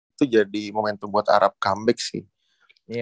itu jadi momentum buat arab comeback sih